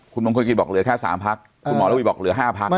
คุณมงคลกิจบอกเหลือแค่๓พักคุณหมอระวีบอกเหลือ๕พัก